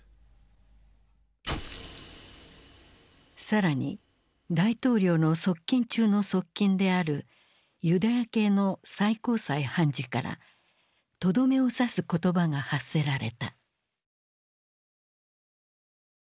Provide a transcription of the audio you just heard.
更に大統領の側近中の側近であるユダヤ系の最高裁判事からとどめを刺す言葉が発せられた。